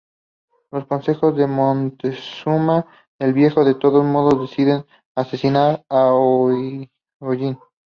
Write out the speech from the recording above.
Los consejeros de Moctezuma el viejo, de todos modos, deciden asesinar a Ollin.